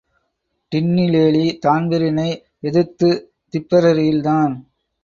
டின்னி லேலி தான்பிரீனை எதிர்த்த்துத் திப்பெரரியில் தான்.